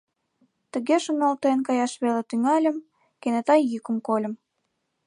Тыге шоналтен, каяш веле тӱҥальым, кенета йӱкым кольым;